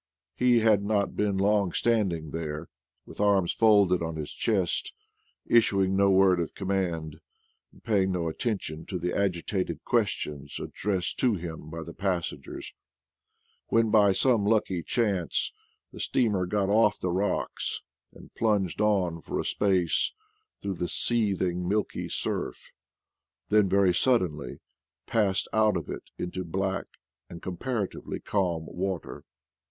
He had not been long standing there, with arms folded on his chest, issuing no word of command, and paying no attention to the agitated questions addressed to him by the passengers, when, by some lucky chance, the steamer got off the rocks and plunged on for a space through the seething, milky surf; then, very suddenly, passed out of it into black and com paratively calm water.